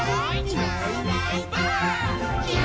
「いないいないばあっ！」